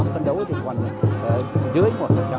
phấn đấu dưới một